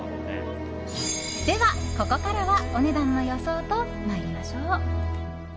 では、ここからはお値段の予想と参りましょう。